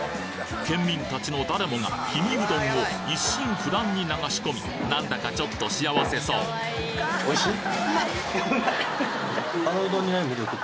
県民たちの誰もが氷見うどんを一心不乱に流し込みなんだかちょっと幸せそうおいしい？